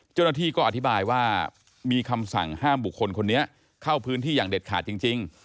เจ้าหน้าที่ก็อธิบายว่ามีคำสั่งห้ามบุคคลคนนี้เข้าพื้นที่อย่างเด็ดขาดจริง